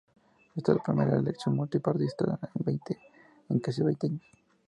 Esta es la primera elección multipartidista en casi veinte años.